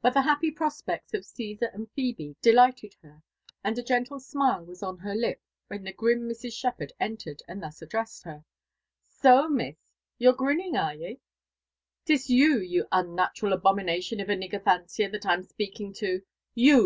But the happy prospects of Cssar and Phebe delighted her, and a gentle smile was on her lip when the grim Mrs. Sb^f^^ard entered and thus addressed her :<^ 8e, miss 1— you're grinning, are ye? — ^"Tisyou, you unnatural abomination of a ni^er fancier, that I'm speaking to ^yeu.